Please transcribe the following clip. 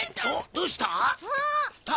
どうした？